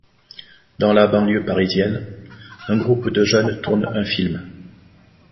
Dans la banlieue parisienne, un groupe de jeunes tourne un film.